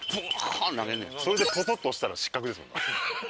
それでポトッと落ちたら失格ですもんね